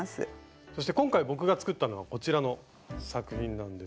そして今回僕が作ったのがこちらの作品なんですが。